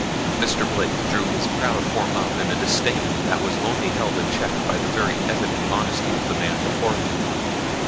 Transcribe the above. Mr. Blake drew his proud form up in a disdain that was only held in check by the very evident honesty of the man before him.